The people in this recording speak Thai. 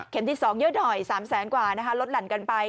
เข็มที่๒เยอะหน่อย๓แสนกว่าลดหลั่นกันไป